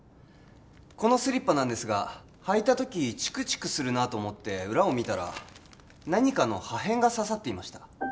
このスリッパなんですが履いたときチクチクするなと思って裏を見たら何かの破片が刺さっていました